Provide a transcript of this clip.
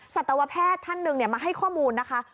สัตวแพทย์ท่านหนึ่งมาให้ข้อมูลนะคะ